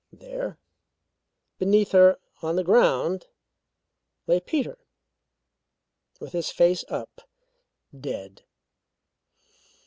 There beneath her on the ground lay Peter, with his face up dead.